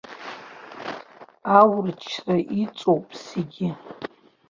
Аурычра иҵоуп зегьы.